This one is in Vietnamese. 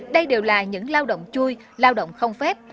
đây đều là những lao động chui lao động không phép